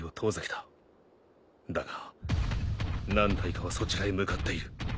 だが何体かはそちらへ向かっている。